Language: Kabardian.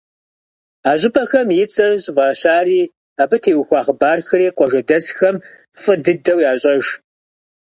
А щӀыпӀэхэм и цӀэр щӀыфӀащари, абы теухуа хъыбархэри къуажэдэсхэм фӀы дыдэу ящӀэж.